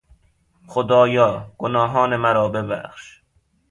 خدایا گناهان مرا ببخش!